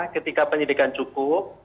ketika penyidikan cukup